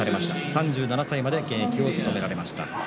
３７歳まで現役を務められました。